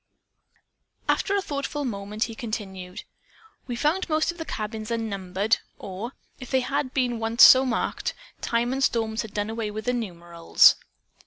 After a thoughtful moment, he continued: "We found most of the cabins unnumbered, or, if they had once been so marked, time and storms had done away with the numerals.